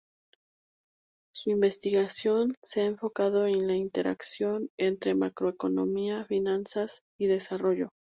Su investigación se ha enfocado en la interacción entre macroeconomía, finanzas, y desarrollo.